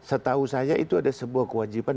setahu saya itu ada sebuah kewajiban